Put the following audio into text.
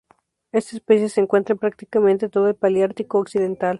Esta especie se encuentra en prácticamente todo el Paleártico occidental.